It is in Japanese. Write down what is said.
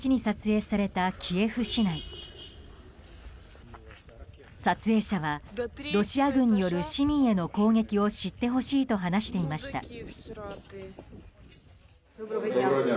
撮影者はロシア軍による市民への攻撃を知ってほしいと話していました。